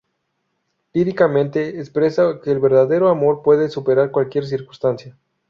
Líricamente, expresa que el verdadero amor puede superar cualquier circunstancia.